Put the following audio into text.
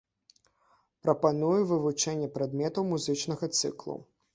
Прапануе вывучэнне прадметаў музычнага цыклу.